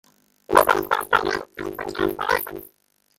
This would expose photographic plates and cause fluorescence.